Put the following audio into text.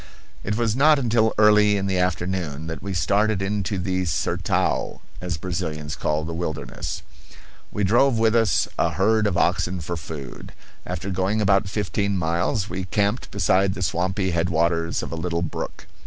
It was not until early in the afternoon that we started into the "sertao,"[*] as Brazilians call the wilderness. We drove with us a herd of oxen for food. After going about fifteen miles we camped beside the swampy headwaters of a little brook.